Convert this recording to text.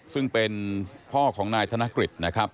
ซึ่งเป็นพ่อของนายธนกฤษนะครับ